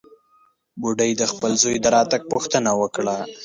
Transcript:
بوډۍ د خپل زوى د راتګ پوښتنه وکړه.